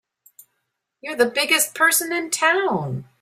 You're the biggest person in town!